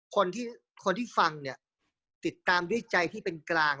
คนที่คนที่ฟังเนี่ยติดตามด้วยใจที่เป็นกลาง